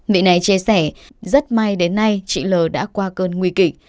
vị này chia sẻ rất may đến nay chị l đã qua cơn nguy kịch